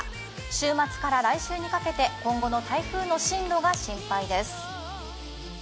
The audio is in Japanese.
週末から来週にかけて今後の台風の進路が心配です。